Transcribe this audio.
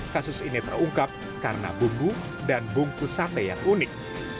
kasus ini terungkap karena bumbu dan bungkus sate yang unik